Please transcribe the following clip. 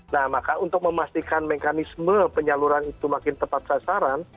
nah maka untuk memastikan mekanisme penyaluran itu makin tepat sasaran